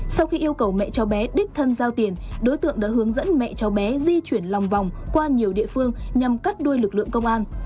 sau khi yêu cầu mẹ cháu bé đích thân giao tiền đối tượng đã hướng dẫn mẹ cháu bé di chuyển lòng vòng qua nhiều địa phương nhằm cắt đuôi lực lượng công an